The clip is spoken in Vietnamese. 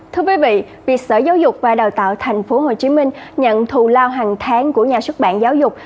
thưa quý vị việc sở giáo dục và đào tạo tp hcm nhận thù lao hàng tháng của nhà xuất bản giáo dục